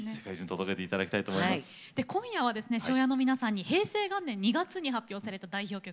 今夜ＳＨＯＷ‐ＹＡの皆さんには平成元年２月に発表された代表曲